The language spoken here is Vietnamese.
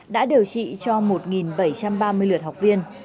đã điều trị cho một bảy trăm ba mươi lượt học viên